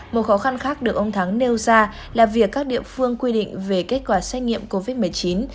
một khó khăn khác được ông thắng nêu ra là việc các địa phương quy định về kết quả xét nghiệm covid một mươi chín